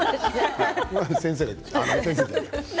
先生です。